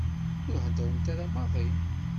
Ur heddrent ara maḍi.